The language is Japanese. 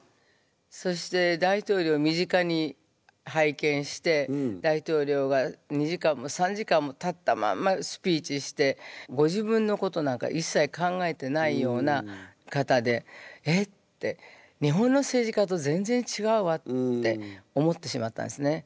そして大統領を身近に拝見して大統領が２時間も３時間も立ったまんまスピーチしてご自分のことなんかいっさい考えてないような方で「えっ？」て。って思ってしまったんですね。